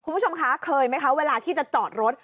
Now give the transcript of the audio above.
คุณผู้ชมคะเคยไหมคะเวลาที่จะจอดรถ